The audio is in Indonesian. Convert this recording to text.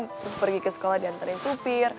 terus pergi ke sekolah diantarin supir